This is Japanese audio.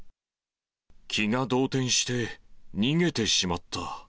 気が動転して、逃げてしまった。